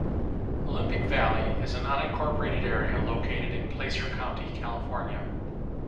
Olympic Valley is an unincorporated area located in Placer County, California.